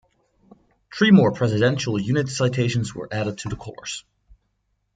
Three more Presidential Unit Citations were added to the colors.